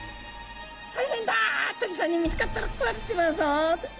大変だ鳥さんに見つかったら食われちまうぞっと。